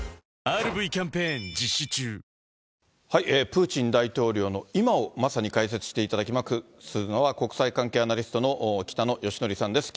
プーチン大統領の今を、まさに解説していただきますのは、国際環境アナリストの北野幸伯さんです。